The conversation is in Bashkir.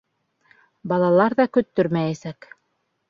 Балалар ҙа көттөрмәйәсәк.